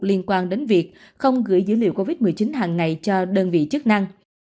liên quan đến việc không gửi dữ liệu covid một mươi chín hàng ngày cho đơn vị chức năng